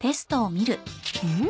うん？